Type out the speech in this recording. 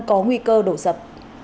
có nguy cơ đổ dập